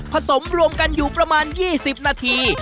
สมรวมกันอยู่ประมาณ๒๐นาที